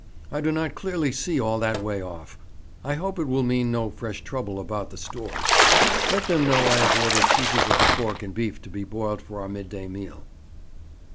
I do not clearly see all that way off. I hope it will mean no fresh trouble about the stores. Let them know I have ordered pieces of the pork and beef to be boiled for our mid day meal.'